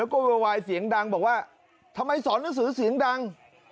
แล้วก็โวยวายเสียงดังบอกว่าทำไมสอนหนังสือเสียงดัง